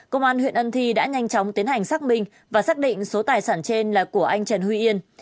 công an huyện ân thi đã nhanh chóng tiến hành xác minh và xác định số tài sản trên là của anh trần huy yên